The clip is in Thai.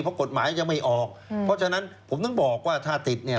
เพราะกฎหมายยังไม่ออกเพราะฉะนั้นผมถึงบอกว่าถ้าติดเนี่ย